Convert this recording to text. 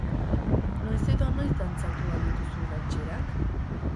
Noiz edo noiz dantzatu al dituzu rantxerak?